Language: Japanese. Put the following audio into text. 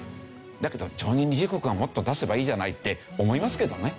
だけど常任理事国がもっと出せばいいじゃないって思いますけどね。